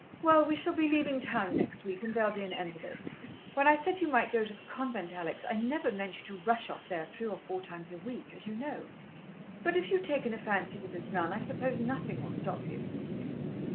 "Well, we shall be leavin' town next week, and there'll be an end of it. When I said you might go to the convent, Alex, I never meant you to rush off there three or four times a week, as you know. But if you have taken a fancy to this nun, I suppose nothing will stop you."